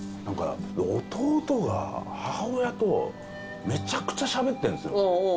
何か弟が母親とめちゃくちゃしゃべってんですよ。